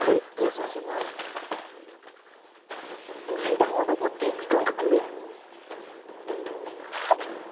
階段を上っていくと。